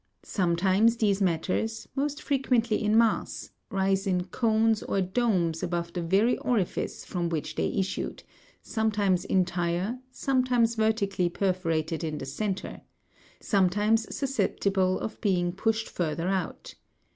Sometimes these matters, most frequently in mass, rise in cones or domes above the very orifice from which they issued, sometimes entire, sometimes vertically perforated in the centre, sometimes suscep tible of being pushed further out.